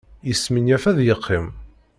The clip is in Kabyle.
Yesmenyaf ad yeqqim.